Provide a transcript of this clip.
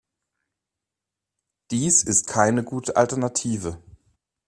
Dies ist keine gute Alternative.